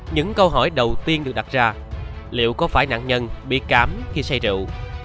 những câu hỏi đầu tiên được đặt ra liệu có phải nạn nhân bị cám khi say rượu